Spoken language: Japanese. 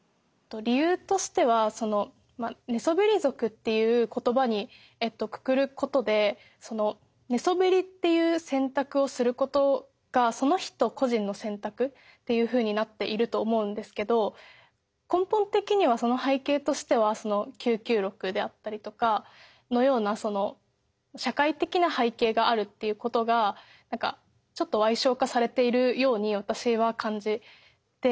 理由としてはその寝そべり族っていう言葉にくくることでその寝そべりっていう選択をすることがその人個人の選択っていうふうになっていると思うんですけど根本的にはその背景としてはその「９９６」であったりとかそのような社会的な背景があるっていうことがちょっと矮小化されているように私は感じて。